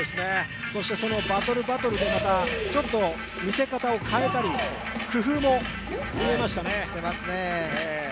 そのバトルバトルでまたちょっと見せ方を変えたり、工夫も見えましたね。